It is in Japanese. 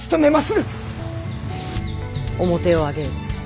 面を上げよ。